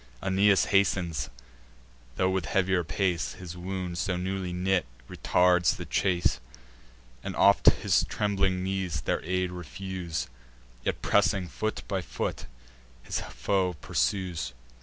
Aeneas hastens, tho' with heavier pace— His wound, so newly knit, retards the chase, And oft his trembling knees their aid refuse— Yet, pressing foot by foot, his foe pursues.